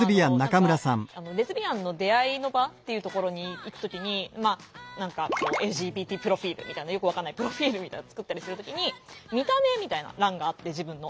レズビアンの出会いの場っていうところに行く時に何かＬＧＢＴプロフィールみたいなよく分かんないプロフィールみたいなの作ったりする時に「見た目」みたいな欄があって自分の。